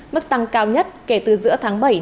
mức tăng cao nhất kể từ giữa tháng bảy